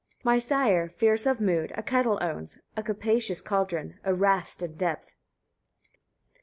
My sire, fierce of mood, a kettle owns, a capacious cauldron, a rast in depth."